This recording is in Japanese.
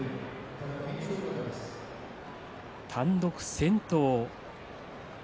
単独先頭。